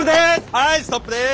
はいストップです！